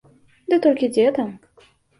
Ды толькі дзе там!